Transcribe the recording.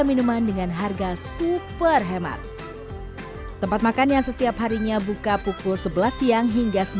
minuman dengan harga super hemat tempat makan yang setiap harinya buka pukul sebelas siang hingga